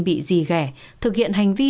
bị dì ghẻ thực hiện hành vi